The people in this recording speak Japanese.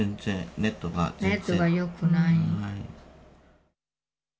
ネットがよくない。